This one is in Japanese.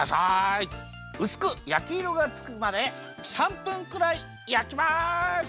うすくやきいろがつくまで３分くらいやきます！